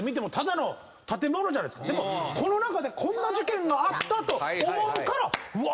でもこの中でこんな事件があったと思うからうわ！